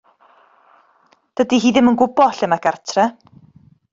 Dydi hi ddim yn gwybod lle mae gartre.